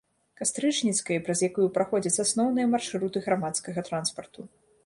Кастрычніцкай, праз якую праходзяць асноўныя маршруты грамадскага транспарту.